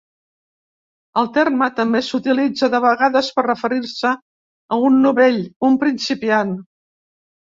El terme també s'utilitza de vegades per referir-se a un novell, un principiant.